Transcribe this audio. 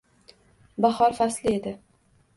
Bahor fasli edi